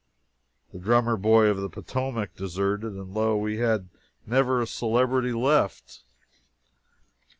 The "Drummer Boy of the Potomac" deserted, and lo, we had never a celebrity left!